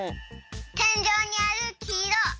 てんじょうにあるきいろあ